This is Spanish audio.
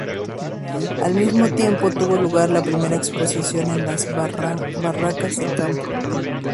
Al mismo tiempo tuvo lugar la primera exposición en las barracas del campo.